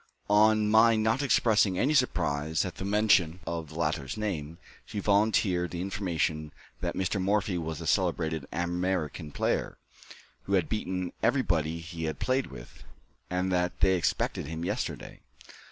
On my not expressing any surprise at the mention of the latter's name, she volunteered the information that Mr. Morphy was a celebrated American player, who had beaten everybody he had played with, and that they expected him yesterday.